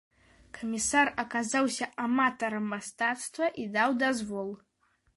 Камісар аказаўся аматарам мастацтва і даў дазвол.